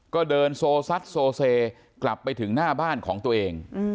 ก็เดินโซซัดโซเซกลับไปถึงหน้าบ้านของตัวเอง